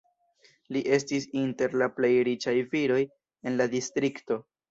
Li estis inter la plej riĉaj viroj en la distrikto.